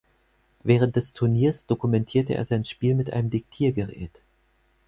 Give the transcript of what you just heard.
Während des Turniers dokumentierte er sein Spiel mit einem Diktiergerät.